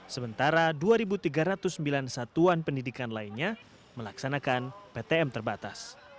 sementara dua tiga ratus sembilan satuan pendidikan lainnya melaksanakan ptm terbatas